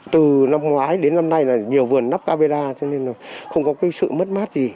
từ năm ngoái đến năm nay là nhiều vườn nắp camera cho nên là không có cái sự mất mát gì